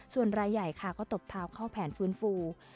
ส่วนรายใหญ่ค่ะก็ตบเท้าเข้าแผนฟื้นฟู